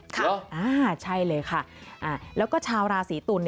ค่ะอ่าใช่เลยค่ะแล้วก็ชาวราศีตุล